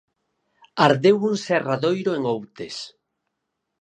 Ardeu un serradoiro en Outes.